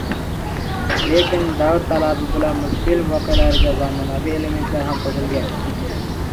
Lekin davr talabi bilan multfilm voqealariga zamonaviy elementlar ham qo‘shilgan.